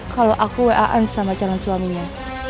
kalau aku waan sama calon suaminya